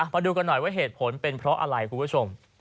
มาดูกันหน่อยว่าเหตุผลเป็นเพราะอะไรคุณผู้ชม